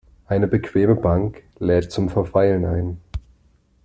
Eine bequeme Bank lädt zum Verweilen ein.